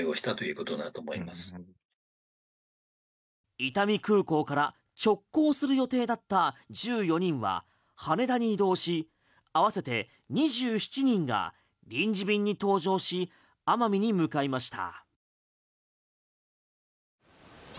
伊丹空港から直行する予定だった１４人は羽田に移動しあわせて２７人が臨時便に搭乗し奄美に向かいました。